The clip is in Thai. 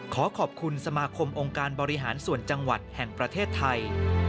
ขอขอบคุณสมาคมองค์การบริหารส่วนจังหวัดแห่งประเทศไทย